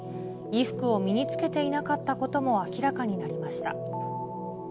衣服を身に着けていなかったことも明らかになりました。